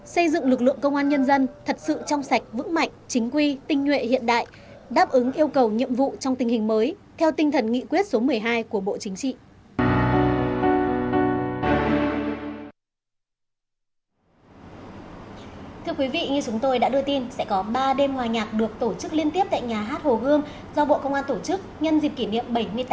xây dựng lực lượng công an nhân dân thật sự trong sạch vững mạnh chính quy tinh nguyện hiện đại